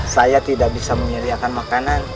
saya tidak bisa menyediakan makanan